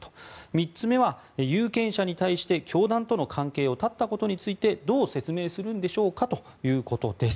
３つ目は、有権者に対して教団との関係を断ったことについてどう説明するんでしょうかということです。